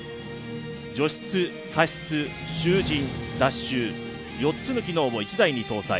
「除湿」「加湿」「集塵」「脱臭」４つの機能を１台に搭載。